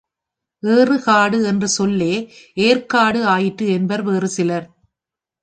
ஏறுகாடு என்ற சொல்லே, ஏர்க்காடு ஆயிற்று என்பர் வேறு சிலர்.